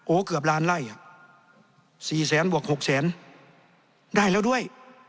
เกือบล้านไล่อ่ะ๔แสนบวก๖แสนได้แล้วด้วย